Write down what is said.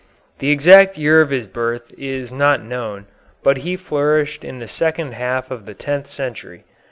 The exact year of his birth is not known, but he flourished in the second half of the tenth century.